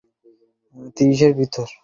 আমি তোকে মেরে ফেলব!